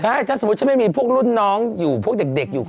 ใช่ถ้าสมมุติฉันไม่มีพวกรุ่นน้องอยู่พวกเด็กอยู่